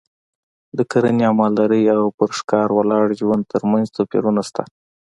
د کرنې او مالدارۍ او پر ښکار ولاړ ژوند ترمنځ توپیرونه شته